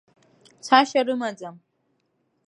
Цашьа рымаӡам.